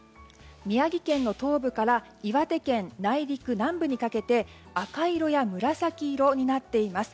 宮城県の東部から岩手県内陸南部にかけて赤色や紫色になっています。